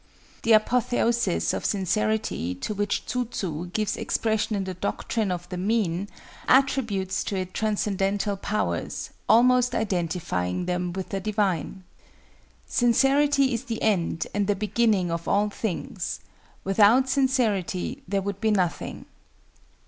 The apotheosis of Sincerity to which Tsu tsu gives expression in the Doctrine of the Mean, attributes to it transcendental powers, almost identifying them with the Divine. "Sincerity is the end and the beginning of all things; without Sincerity there would be nothing."